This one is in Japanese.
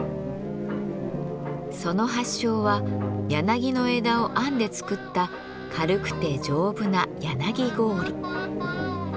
その発祥は柳の枝を編んで作った軽くて丈夫な柳行李。